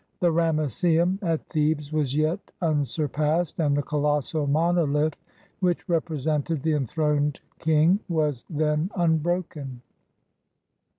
The Ramesseum at Thebes was yet unsur passed, and the colossal monolith which represented the enthroned king was then unbroken.